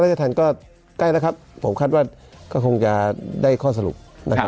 จะทันก็ใกล้แล้วครับผมคาดว่าก็คงจะได้ข้อสรุปนะครับ